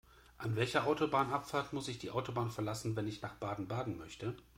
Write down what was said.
An welcher Autobahnabfahrt muss ich die Autobahn verlassen, wenn ich nach Baden-Baden möchte?